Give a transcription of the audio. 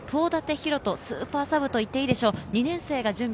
東舘大翔、スーパーサブといっていいでしょう。